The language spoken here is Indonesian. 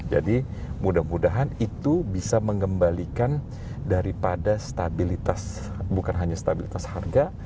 jadi mudah mudahan itu bisa mengembalikan daripada stabilitas bukan hanya stabilitas harga